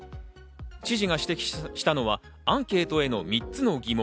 知事が指摘したのは、アンケートへの３つの疑問。